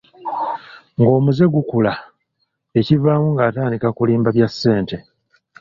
Ng'omuze gukula, ekivaamu ng'atandika kulimba bya ssente.